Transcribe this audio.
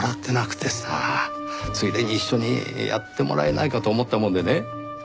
ついでに一緒にやってもらえないかと思ったもんでね。